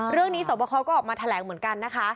เรื่องนี้สมพคลก็ออกมาแถลงเหมือนกันนะคะ